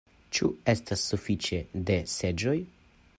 Ĉu estas suﬁĉe de seĝoj?